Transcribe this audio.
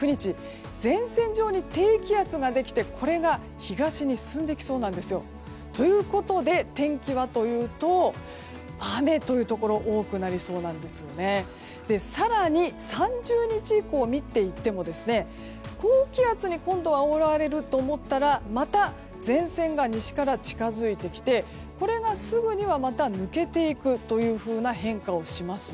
前線上に低気圧ができてこれが東に進んでいきそうなんですよ。ということで、天気はというと雨というところが多くなりそうで更に３０日以降、見ていっても高気圧に今度は覆われると思ったらまた前線が西から近づいてきてこれがすぐに、また抜けていくという変化をします。